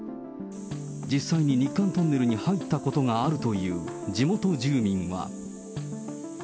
実際に日韓トンネルに入ったことがあるという地元住民は。